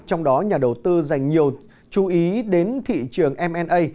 trong đó nhà đầu tư dành nhiều chú ý đến thị trường m a